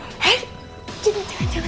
hei jangan jangan jangan